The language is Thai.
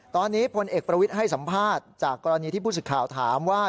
ตอนนี้พลเอกประวิทย์ให้สัมภาษณ์จากกรณีที่ผู้สื่อข่าวถามว่า